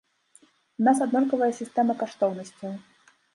У нас аднолькавая сістэма каштоўнасцяў.